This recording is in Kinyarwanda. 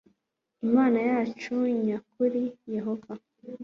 imana yacu nya kuri yehova